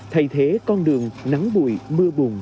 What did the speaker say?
thay thế con đường nắng bụi mưa buồn